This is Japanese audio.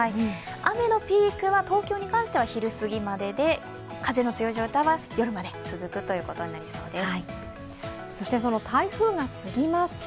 雨のピークは東京に関しては昼すぎまでで風の強い状態は夜まで続くということになりそうです。